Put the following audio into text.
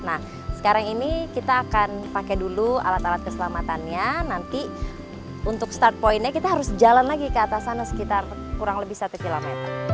nah sekarang ini kita akan pakai dulu alat alat keselamatannya nanti untuk start pointnya kita harus jalan lagi ke atas sana sekitar kurang lebih satu km